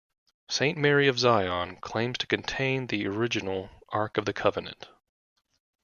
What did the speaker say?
Saint Mary of Zion claims to contain the original Ark of the Covenant.